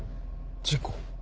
事故？